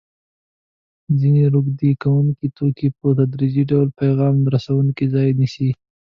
ځیني روږدي کوونکي توکي په تدریجي ډول پیغام رسوونکو ځای نیسي.